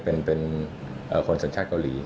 เป็นคนสัญชาติเกาหลี